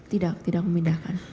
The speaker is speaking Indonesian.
tidak tidak memindahkan